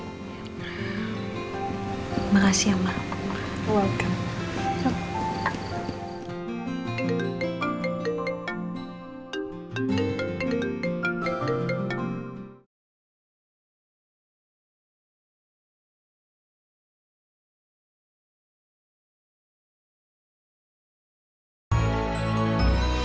terima kasih mama